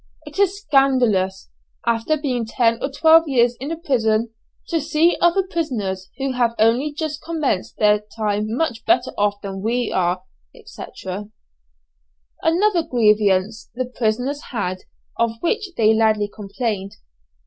It is scandalous, after being ten or twelve years in prison, to see other prisoners who have only just commenced their time much better off than we are," &c. Another grievance the prisoners had, of which they loudly complained.